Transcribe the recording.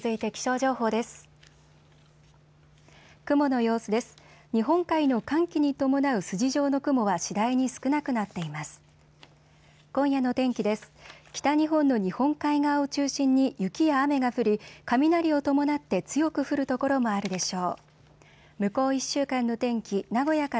北日本の日本海側を中心に雪や雨が降り、雷を伴って強く降る所もあるでしょう。